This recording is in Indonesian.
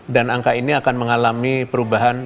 dan angka ini akan mengalami perubahan